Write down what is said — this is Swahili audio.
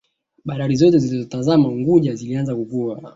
Bandari Zote zilizotazama Unguja zilianza kukua